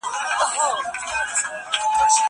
زه له سهاره د کتابتوننۍ سره مرسته کوم!